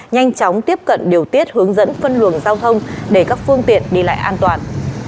nhanh chóng tiếp cận điều tiết hướng dẫn phân luồng giao thông để các phương tiện đi lại an toàn